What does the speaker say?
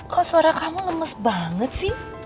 kok suara kamu lemes banget sih